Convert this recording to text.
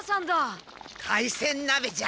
海鮮鍋じゃ。